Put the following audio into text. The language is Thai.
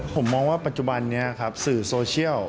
ผมมองว่าปัจจุบันนี้ครับสื่อโซเชียล